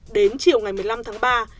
đến chiều ngày một mươi năm tháng ba